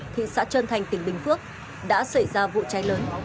thị xã trơn thành tỉnh bình phước đã xảy ra vụ cháy lớn